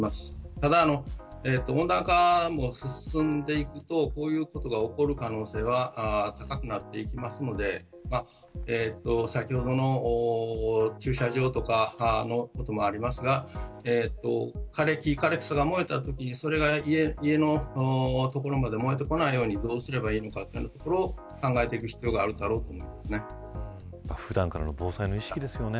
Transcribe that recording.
ただ、温暖化も進んでいくとこういうことが起こる可能性は高くなっていきますので先ほどの駐車場とかそのこともありますが枯れ木、枯れ草が燃えたときにそれが家の所まで燃えてこないようにどうすればいいのかというところを考える必要がある普段からの防災の意識ですよね。